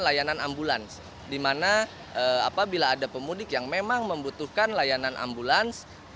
menyediakan layanan ambulans di mana apabila ada pemudik yang memang membutuhkan layanan ambulans